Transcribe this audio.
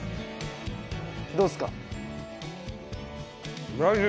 どうっすか？